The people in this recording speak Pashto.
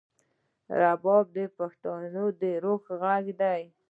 رباب د پښتنو د روح غږ دی.